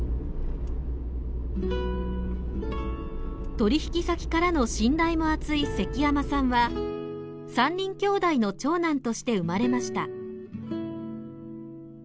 取引先からの信頼も厚い関山さんは３人きょうだいの長男として生まれました。